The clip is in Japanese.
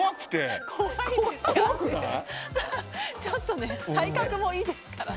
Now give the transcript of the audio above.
ちょっと体格もいいですから。